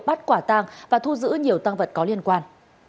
bắt quả tang và thu giữ nhiều tăng vật có liên quan